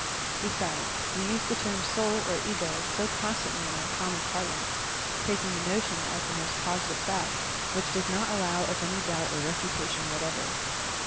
Besides, we use the term "soul," or "ego," so constantly in our common parlance, taking the notion as the most positive fact, which does not allow of any doubt or refutation whatever.